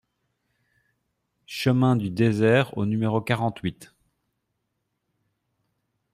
Chemin du Désert au numéro quarante-huit